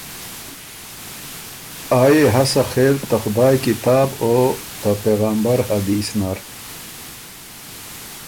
آ يې هۀ سخېل ته خدایٛ کتاب او ته پېغمبر حدیث نر۔